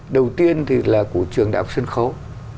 đầu tiên thì là của trường đạo sân khấu